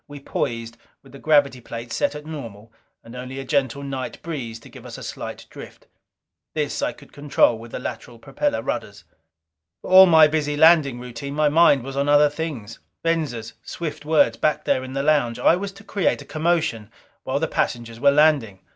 We poised, with the gravity plates set at normal, and only a gentle night breeze to give us a slight side drift. This I could control with the lateral propeller rudders. For all my busy landing routine, my mind was on other things. Venza's swift words back there in the lounge. I was to create a commotion while the passengers were landing.